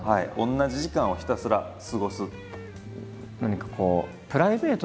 同じ時間をひたすら過ごす。